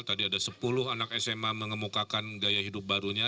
tadi ada sepuluh anak sma mengemukakan gaya hidup barunya